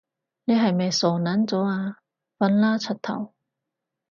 你係咪傻撚咗啊？瞓啦柒頭